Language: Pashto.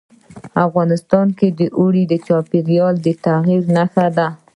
افغانستان کې اوړي د چاپېریال د تغیر نښه ده.